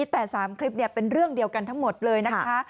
แต่๓คลิปเป็นเรื่องเดียวกันทั้งหมดเลยนะคะ